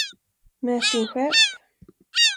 Med sin chef.